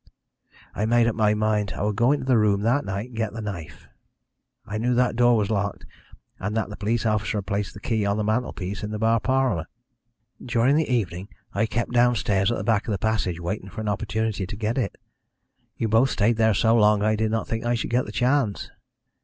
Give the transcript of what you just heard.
"I made up my mind I would go into the room that night and get the knife. I knew that the door was locked, and that the police officer had placed the key on the mantelpiece in the bar parlour. During the evening I kept downstairs at the back of the passage waiting for an opportunity to get it. You both stayed there so long that I did not think I should get the chance.